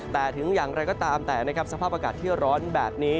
แต่ถึงอย่างไรก็ตามแต่นะครับสภาพอากาศที่ร้อนแบบนี้